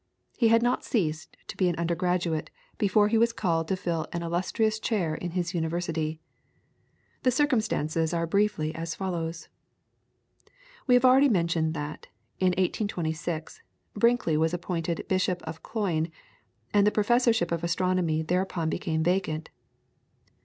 He had not ceased to be an undergraduate before he was called to fill an illustrious chair in his university. The circumstances are briefly as follows. We have already mentioned that, in 1826, Brinkley was appointed Bishop of Cloyne, and the professorship of astronomy thereupon became vacant.